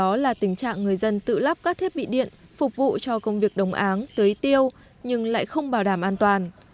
đó là tình trạng người dân tự lắp các thiết bị điện phục vụ cho công việc đồng án tưới tiêu nhưng lại không bảo đảm an toàn